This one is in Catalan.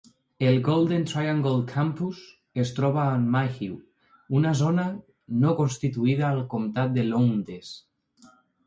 El Golden Triangle Campus es troba a Mayhew, una zona no constituïda al comtat de Lowndes.